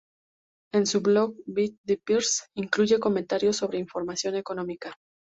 En su blog, "Beat the Press", incluye comentarios sobre información económica.